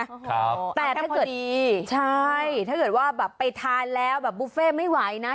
แต่ถ้าเกิดดีใช่ถ้าเกิดว่าแบบไปทานแล้วแบบบุฟเฟ่ไม่ไหวนะ